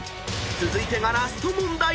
続いてがラスト問題］